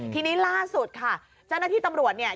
ทีนี้ล่าสุดค่ะเจ้าหน้าที่ตำรวจเนี่ย